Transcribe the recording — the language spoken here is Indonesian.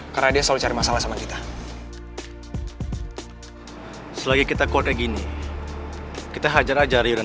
bersama sama kita serang